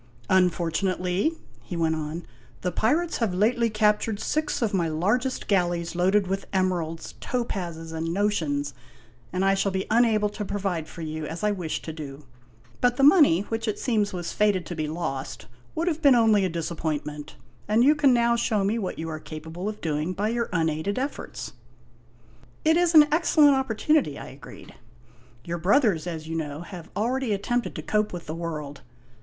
" Unfortunately," he went on, " the pirates have lately captured six of my largest galleys loaded with emeralds, topazes, and notions, and I shall be unable to provide for you as I wished to do. But the money, which it seems was fated to be lost, would have been only a disappointment, and you can now show me what you are capable of doing by your unaided efforts." " It is an excellent opportunity," I agreed. " Your brothers, as you know, have already attempted to cope with the world."